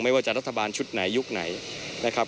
ว่าจะรัฐบาลชุดไหนยุคไหนนะครับ